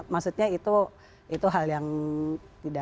maksudnya itu hal yang tidak